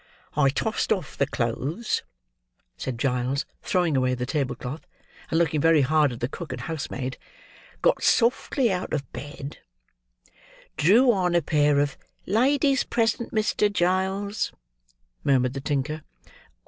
"I tossed off the clothes," said Giles, throwing away the table cloth, and looking very hard at the cook and housemaid, "got softly out of bed; drew on a pair of—" "Ladies present, Mr. Giles," murmured the tinker.